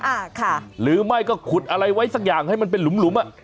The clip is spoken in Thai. อ่าค่ะหรือไม่ก็ขุดอะไรไว้สักอย่างให้มันเป็นหลุมหลุมอ่ะ